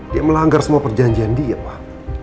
dia melanggar semua perjanjian dia pak